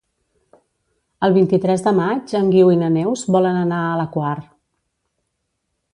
El vint-i-tres de maig en Guiu i na Neus volen anar a la Quar.